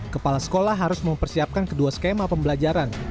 kepala sekolah harus mempersiapkan kedua skema pembelajaran